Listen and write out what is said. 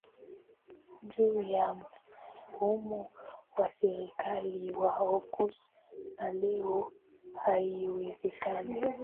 juu ya mfumo wa serikali wa Oghuz na leo haiwezekani